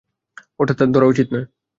ওটা ধরা উচিত নয়।